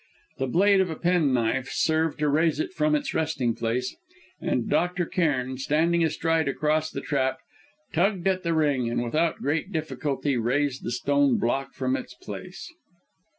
The blade of a penknife served to raise it from its resting place, and Dr. Cairn, standing astride across the trap, tugged at the ring, and, without great difficulty, raised the stone block from its place.